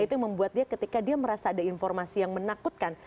itu yang membuat dia ketika dia merasa ada informasi yang menakutkan